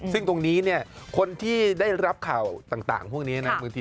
ซึ่งตรงนี้เนี่ยคนที่ได้รับข่าวต่างพวกนี้นะ